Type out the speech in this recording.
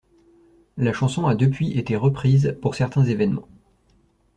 La chanson a depuis été reprise pour certains événements.